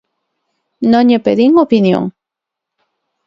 Non lle pedín opinión.